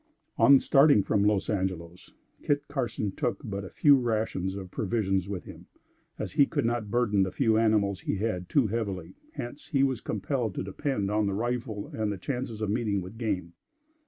On starting from Los Angelos, Kit Carson took but a few rations of provisions with him, as he could not burden the few animals he had, too heavily; hence, he was compelled to depend on the rifle and the chances of meeting with game.